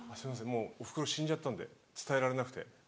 もうお袋死んじゃったんで伝えられなくて。